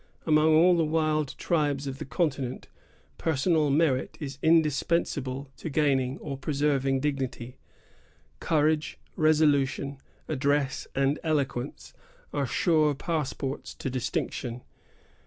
Among all the wild tribes of the continent, personal merit is indispensable to gaining or preserving dignity. Courage, resolution, address, and eloquence are sure passports to distinction.